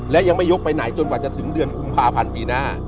และยังไม่ยกไปไหนจนกว่าจะถึงเดือนกุมภาพันธ์ปีหน้า